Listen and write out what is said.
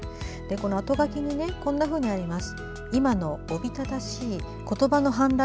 後書きにこんなふうにあります。